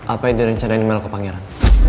apa yang direncanain mel ke pangeran